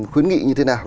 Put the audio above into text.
khuyến nghị như thế nào